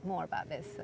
dan jeneponto di selatan